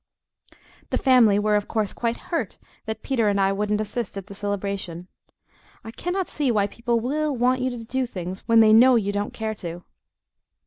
The family were, of course, quite "hurt" that Peter and I wouldn't assist at the celebration. I cannot see why people WILL want you to do things when they KNOW you don't care to!